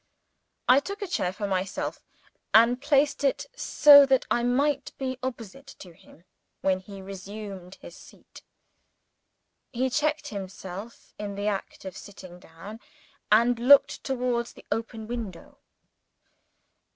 I took a chair for myself, and placed it so that I might be opposite to him when he resumed his seat. He checked himself in the act of sitting down, and looked towards the open window.